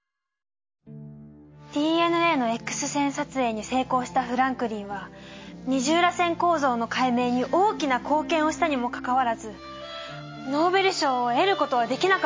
ＤＮＡのＸ線撮影に成功したフランクリンは二重らせん構造の解明に大きな貢献をしたにもかかわらずノーベル賞を得ることはできなかったの。